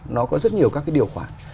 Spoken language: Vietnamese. nó có rất nhiều các cái điều khoản